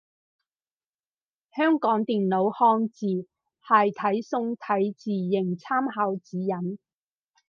香港電腦漢字楷體宋體字形參考指引